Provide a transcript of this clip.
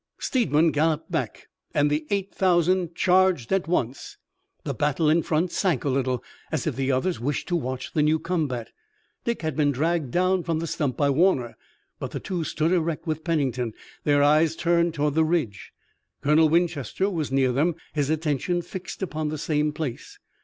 Steedman galloped back and the eight thousand charged at once. The battle in front sank a little, as if the others wished to watch the new combat. Dick had been dragged down from the stump by Warner, but the two stood erect with Pennington, their eyes turned toward the ridge. Colonel Winchester was near them, his attention fixed upon the same place.